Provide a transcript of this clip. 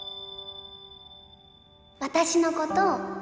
私のこと